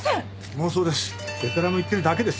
妄想です。